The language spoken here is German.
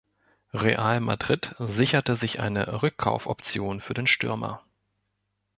Real Madrid sicherte sich eine Rückkaufoption für den Stürmer.